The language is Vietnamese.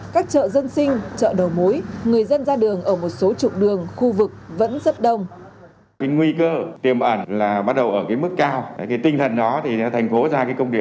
các chợ dân sinh chợ đầu mối người dân ra đường ở một số trục đường khu vực vẫn rất đông